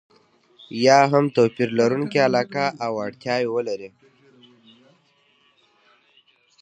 یا هم توپير لرونکې علاقه او اړتياوې ولري.